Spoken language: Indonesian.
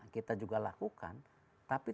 kita juga lakukan tapi